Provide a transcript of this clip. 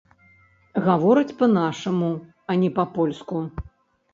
Гаворыць па-нашаму, а не па-польску.